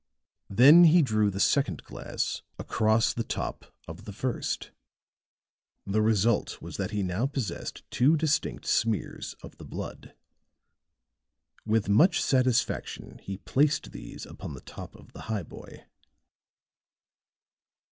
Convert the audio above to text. Then he drew the second glass across the top of the first; the result was that he now possessed two distinct smears of the blood. With much satisfaction he placed these upon the top of the highboy.